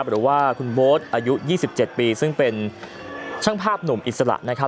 หรือว่าคุณโบ๊ทอายุ๒๗ปีซึ่งเป็นช่างภาพหนุ่มอิสระนะครับ